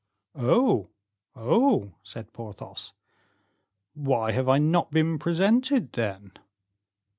"Oh, oh!" said Porthos. "Why have I not been presented, then?"